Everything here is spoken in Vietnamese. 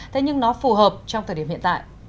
thế nhưng nó phù hợp trong thời điểm hiện tại